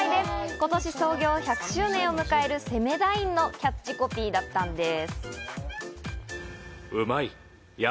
今年、創業１００周年を迎えるセメダインのキャッチコピーだったんです。